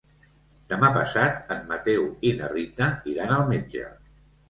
Demà passat en Mateu i na Rita iran al metge.